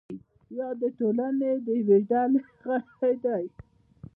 یا د ټولنې د یوې ډلې غړی دی.